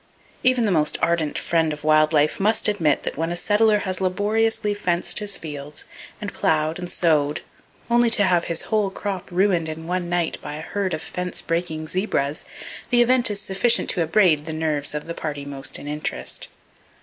Even the most ardent friend of wild life must admit that when a settler has laboriously fenced his fields, and plowed and sowed, only to have his whole crop ruined in one night by a herd of fence breaking zebras, the event is sufficient to abrade the nerves of the party most in interest.